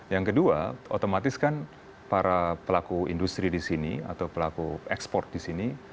yang kedua otomatis kan para pelaku industri di sini atau pelaku ekspor di sini